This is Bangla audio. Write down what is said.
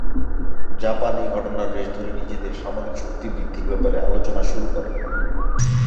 জাপান এই ঘটনার রেশ ধরে নিজেদের সামরিক শক্তি বৃদ্ধির ব্যাপারে আলোচনা শুরু করে।